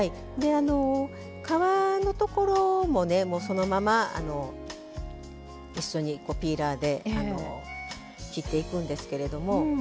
皮のところも、そのまま一緒にピーラーで切っていくんですけれども。